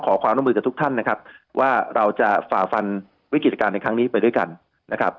ขอความร่วมมือกับทุกท่านนะครับว่าเราจะฝ่าฟันวิกฤตการณ์ในครั้งนี้ไปด้วยกันนะครับ